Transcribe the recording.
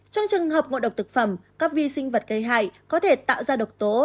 trong trường hợp ngộ độc thực phẩm các vi sinh vật gây hại có thể tạo ra độc tố